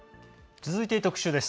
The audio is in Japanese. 続いて特集です。